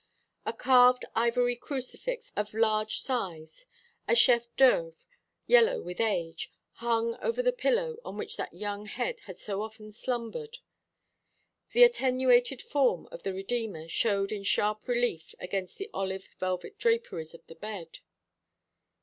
A carved ivory crucifix of large size, a chef d'oeuvre, yellow with age, hung over the pillow on which that young head had so often slumbered. The attenuated form of the Redeemer showed in sharp relief against the olive velvet draperies of the bed.